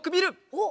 おっ！